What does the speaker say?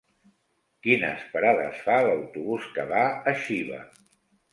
Quines parades fa l'autobús que va a Xiva?